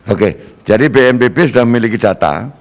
oke jadi bnpb sudah memiliki data